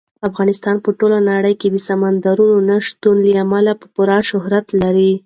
افغانستان په ټوله نړۍ کې د سمندر نه شتون له امله پوره شهرت لري.